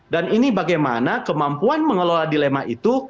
dan ini bagaimana kemampuan mengelola dilema itu